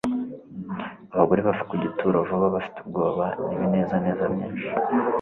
Abagore bava ku gituro vuba «bafite ubwoba n'ibinezaneza byinshi